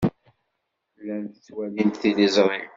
Llant ttwalint tiliẓri.